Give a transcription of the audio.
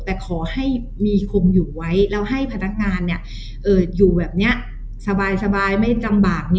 แต่ขอให้มีคงอยู่ไว้แล้วให้พนักงานอยู่แบบนี้สบายไม่ลำบาก